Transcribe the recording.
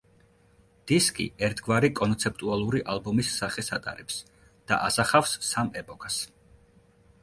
დისკი ერთგვარი კონცეპტუალური ალბომის სახეს ატარებს და ასახავს სამ ეპოქას.